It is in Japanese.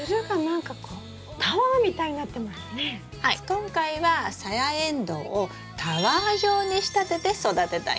今回はサヤエンドウをタワー状に仕立てて育てたいんです。